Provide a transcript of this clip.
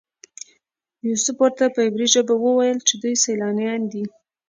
یوسف ورته په عبري ژبه وویل چې دوی سیلانیان دي.